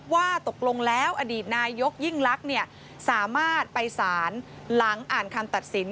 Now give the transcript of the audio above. ว่าตกลงแล้วอดีตนายกยิ่งลักษณ์สามารถไปสารหลังอ่านคำตัดสิน